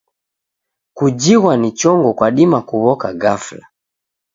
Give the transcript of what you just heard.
Kujighwa ni chongo kwadima kuw'oka gafla.